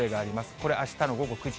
これ、あしたの午後９時。